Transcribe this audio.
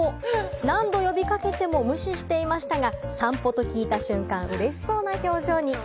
何度呼び掛けても無視していましたが、「さんぽ」と聞いた瞬間、嬉しそうな表情に。